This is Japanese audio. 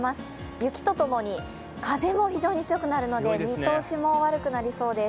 雪と共に風も非常に強くなるので見通しも悪くなりそうです。